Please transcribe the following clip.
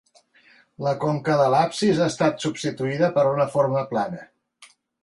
La conca de l'absis ha estat substituïda per una forma plana.